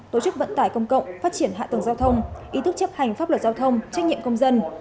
tổ chức vận tải công cộng phát triển hạ tầng giao thông ý thức chấp hành pháp luật giao thông trách nhiệm công dân